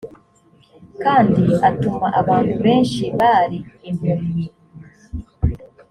kandi atuma abantu benshi bari impumyi